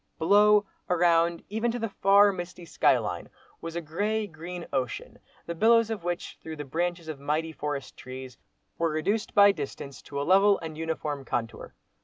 Below, around, even to the far, misty sky line, was a grey, green ocean, the billows of which, through the branches of mighty forest trees, were reduced by distance to a level and uniform contour.